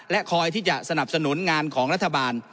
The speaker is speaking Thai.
คอยที่จะสนับสนุนงานของรัฐบาล